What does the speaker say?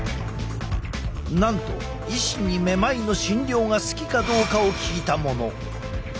なんと医師にめまいの診療が好きかどうかを聞いたもの。